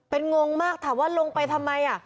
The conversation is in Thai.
เป็นงงมากถามว่าลงไปทำไม